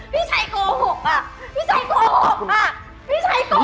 เรารักกันมาตั้งหลายปี